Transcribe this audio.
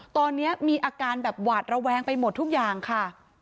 ตอนนี้มีอาการแบบหวาดระแวงไปหมดทุกอย่างค่ะ